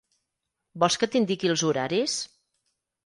Vols que t'indiqui els horaris?